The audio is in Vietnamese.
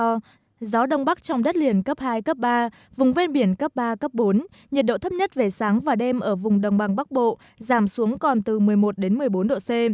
trong đó gió đông bắc trong đất liền cấp hai cấp ba vùng ven biển cấp ba cấp bốn nhiệt độ thấp nhất về sáng và đêm ở vùng đồng bằng bắc bộ giảm xuống còn từ một mươi một đến một mươi bốn độ c